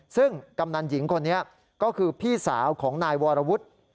ซึ่งกำนันหญิงคนนี้ก็คือพี่สาวของนายวรวุฒิ